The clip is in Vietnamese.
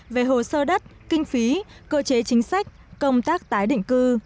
về hồ sơ đất kinh phí cơ chế chính sách công tác tái định cư